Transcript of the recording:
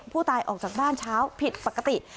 ผู้ตายออกจากบ้านเช้าผิดปกติ